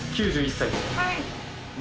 ９１歳で。